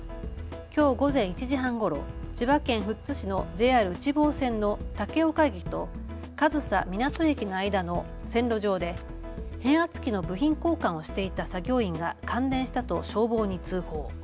きょう午前１時半ごろ、千葉県富津市のＪＲ内房線の竹岡駅と上総湊駅の間の線路上で変圧器の部品交換をしていた作業員が感電したと消防に通報。